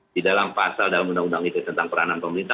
di dalam pasal dalam undang undang itu tentang peranan pemerintah